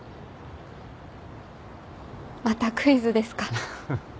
またクイズですか？